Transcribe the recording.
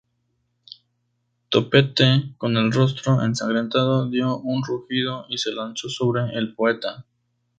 Topete, con el rostro ensangrentado, dio un rugido y se lanzó sobre el poeta.